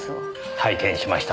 拝見しました。